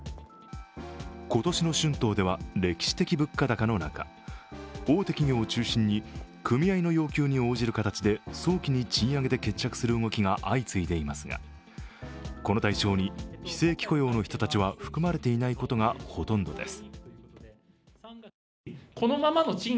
今年の春闘では歴史的物価高の中、大手企業を中心に組合の要求に応じる形で早期に賃上げで決着する動きが相次いでいますがこの対象に非正規雇用の人たちは含まれていないことが、ほとんどです。